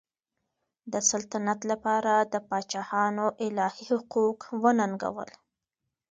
د سلطنت لپاره د پاچاهانو الهي حقوق وننګول.